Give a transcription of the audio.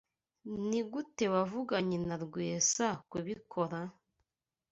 Nigute wavuganye na Rwesa kubikora?